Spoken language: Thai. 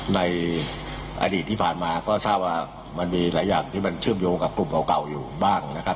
ในอดีตที่ผ่านมาก็ทราบว่ามันมีหลายอย่างที่มันเชื่อมโยงกับกลุ่มเก่าอยู่บ้างนะครับ